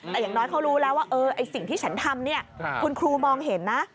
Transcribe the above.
แต่อย่างน้อยเขารู้แล้วว่าสิ่งที่ฉันทำเนี่ยคุณครูมองเห็นนะ